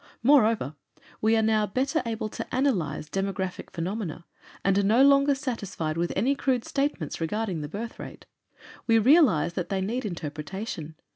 Moreover, we are now better able to analyze demographic phenomena, and are no longer satisfied with any crude statements regarding the birth rate. We realize that they need interpretation.